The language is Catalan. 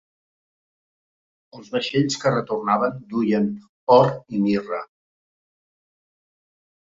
El vaixells que retornaven duien or i mirra.